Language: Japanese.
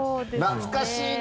懐かしいね。